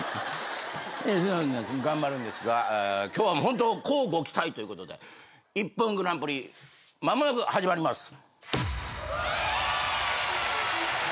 頑張るんですが今日はもうホント乞うご期待ということで『ＩＰＰＯＮグランプリ』間もなく始まります！